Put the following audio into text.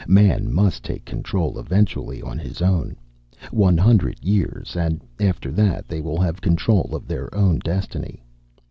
Man must take control eventually, on his own. One hundred years, and after that they will have control of their own destiny.